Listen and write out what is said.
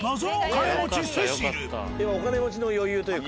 お金持ちの余裕というか。